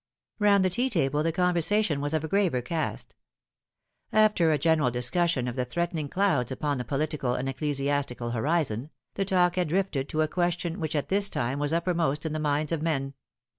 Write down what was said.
Round the tea table the conversation was of a graver cast. After a general discussion of the threatening clouds upon the political and ecclesiastical horizon, the talk had drifted to a question which at this time was uppermost in the minds of men.